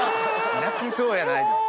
泣きそうやないですか。